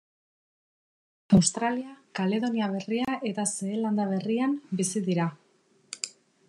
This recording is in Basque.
Australia, Kaledonia Berria eta Zeelanda Berrian bizi dira.